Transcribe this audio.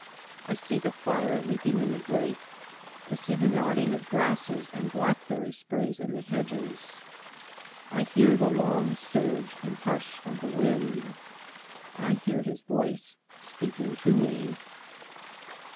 I see the fire leaping in the grate ; I see the nodding of grasses and blackberry sprays in the hedges; I hear the long surge and hush of the wind; I hear his voice speaking to me.